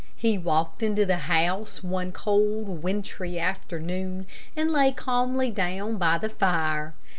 He walked into the house one cold, wintry afternoon and lay calmly down by the fire.